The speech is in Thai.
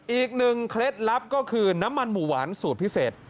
เคล็ดลับก็คือน้ำมันหมูหวานสูตรพิเศษ